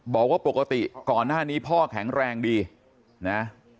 บอกว่าปกติก่อนหน้านี้พ่อแข็งแรงดีนะ